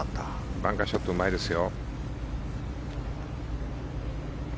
バンカーショットうまいですよ。